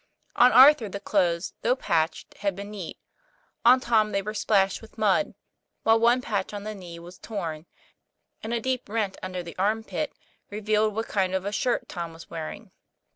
On Arthur the clothes, though patched, had been neat; on Tom they were splashed with mud, while one patch on the knee was torn, and a deep rent under the armpit revealed what kind of a shirt Tom was wear ing.